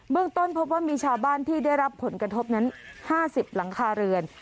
ต้นพบว่ามีชาวบ้านที่ได้รับผลกระทบนั้น๕๐หลังคาเรือน